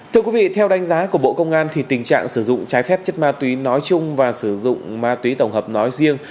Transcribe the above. thưa quý vị theo đánh giá của bộ công an thì tình trạng sử dụng trái phép chất ma túy nói chung và sử dụng ma túy tổng hợp nói riêng